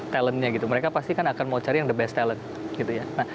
talentnya gitu mereka pasti akan mau cari yang the best talent gitu ya